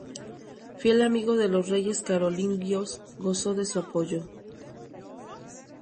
Fiel amigo de los reyes carolingios, gozó de su apoyo.